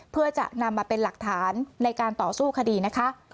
เพื่อจะนำมาเป็นหลักฐานในการต่อสู้คดีนะคะ